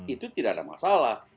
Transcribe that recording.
itu tidak ada masalah